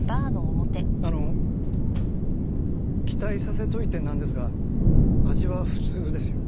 あの期待させておいてなんですが味は普通ですよ。